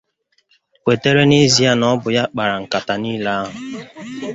kwetere n'ezie na ọ bụ ya kpara nkàtà niile ahụ